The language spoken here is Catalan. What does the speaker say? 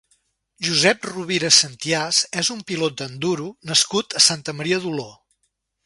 Josep Rovira Sentiás és un pilot d'enduro nascut a Santa Maria d'Oló.